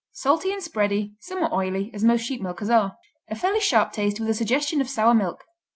Salty and spready, somewhat oily, as most sheep milkers are. A fairly sharp taste with a suggestion of sour milk.